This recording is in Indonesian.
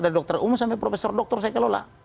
dari dokter umum sampai profesor dokter saya kelola